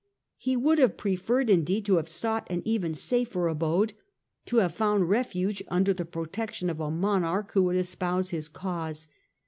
He would have preferred, indeed, to have sought an even safer abode, to have found refuge under the pro tection of a monarch who would espouse his cause.